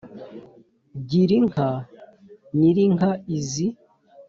Gira inka Nyirinka izi